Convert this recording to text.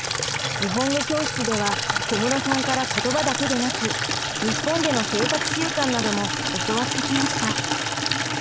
日本語教室では小室さんから言葉だけでなく日本での生活習慣なども教わってきました。